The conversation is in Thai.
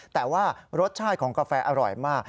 แต่ว่ารสชาติของกาแฟอร่อยมาก